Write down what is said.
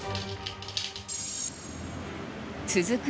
続く